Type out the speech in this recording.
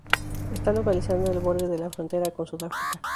Está localizado en el borde de la frontera con Sudáfrica.